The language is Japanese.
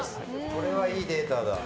これは、いいデータだ。